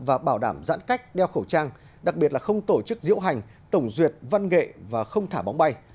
và bảo đảm giãn cách đeo khẩu trang đặc biệt là không tổ chức diễu hành tổng duyệt văn nghệ và không thả bóng bay